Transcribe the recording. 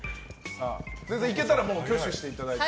いけたら挙手していただいて。